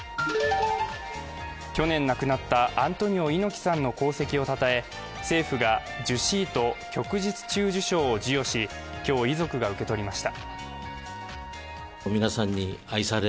去年亡くなったアントニオ猪木さんの功績をたたえ、政府が従四位と旭日中綬章を授与し今日、遺族が受け取りました。